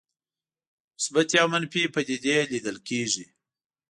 مثبتې او منفي پدیدې لیدل کېږي.